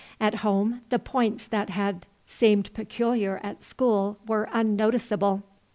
At home the points that had seemed peculiar at school were unnoticeable.